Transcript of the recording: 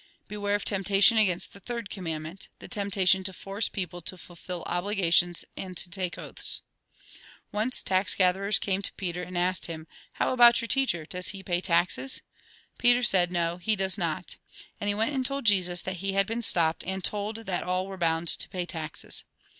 " Beware of temptation against the third com mandment ; the temptation to force neople to fulfil obligations and to take oaths." Once, tax gatherers came to Peter, and asked him :" How about your teacher, does he pay taxes ?" Peter said :" No, he does not." ^ And 1 See Note, p. 222. ii8 THE GOSPEL IN BRIEF he went and told Jesus that he had been stopped, and told that all were bound to pay taxes.